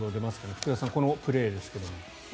福田さん、このプレーですが。